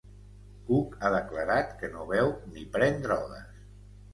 Cook ha declarat que no beu ni pren drogues.